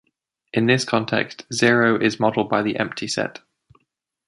In this context, zero is modelled by the empty set.